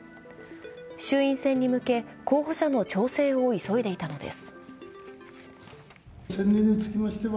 衆院選に向け、候補者の調整を急いでいたのです。